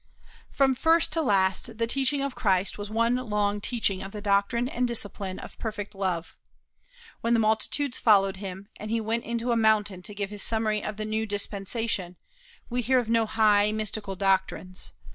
From first to last the teaching of Christ was one long teaching of the doctrine and discipline of perfect love. When the multitudes followed him, and he went into a mountain to give his summary of the new dispensation, we hear of no high, mystical doctrines.